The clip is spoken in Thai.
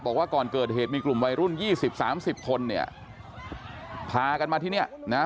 บอกว่าก่อนเกิดเหตุมีกลุ่มวัยรุ่นยี่สิบสามสิบคนเนี่ยพากันมาที่เนี่ยนะฮะ